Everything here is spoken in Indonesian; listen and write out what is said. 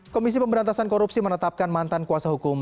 komisi pemberantasan korupsi menetapkan mantan kuasa hukum